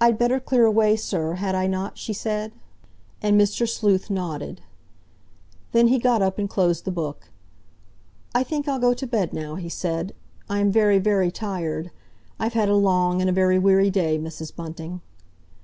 "I'd better clear away, sir, had I not?" she said. And Mr. Sleuth nodded. Then he got up and closed the Book. "I think I'll go to bed now," he said. "I am very, very tired. I've had a long and a very weary day, Mrs. Bunting."